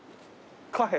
カフェ。